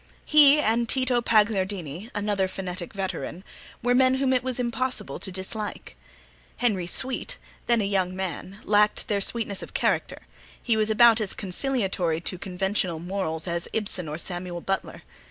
He and Tito Pagliardini, another phonetic veteran, were men whom it was impossible to dislike. Henry Sweet, then a young man, lacked their sweetness of character: he was about as conciliatory to conventional mortals as Ibsen or Samuel Butler.